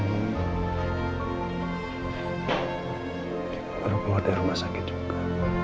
kamu keluar dari rumah sakit juga